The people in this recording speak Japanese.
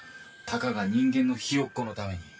たかが人間のひよっこのために